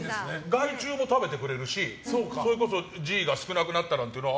害虫も食べてくれるしそれこそＧが少なくなったというのも。